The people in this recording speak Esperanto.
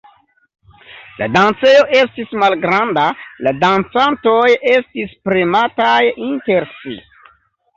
La dancejo estis malgranda, la dancantoj estis premataj inter si.